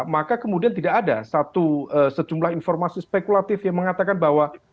maka kemudian tidak ada satu sejumlah informasi spekulatif yang mengatakan bahwa